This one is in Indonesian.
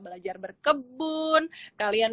belajar berkebun kalian